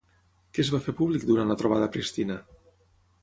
Què es va fer públic durant la trobada a Pristina?